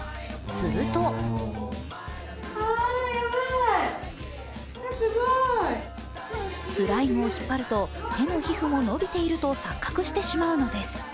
するとスライムを引っ張ると手の皮膚も伸びていると錯覚してしまうのです。